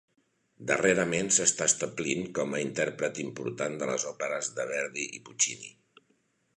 Darrerament s'està establint com a intèrpret important de les òperes de Verdi i Puccini.